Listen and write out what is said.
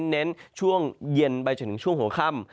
เน้นช่วงเย็นไปจนถึงช่วงหัวค่ำ